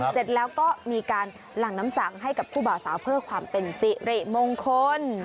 เสร็จแล้วก็มีการหลั่งน้ำสังให้กับผู้บ่าวสาวเพื่อความเป็นสิริมงคล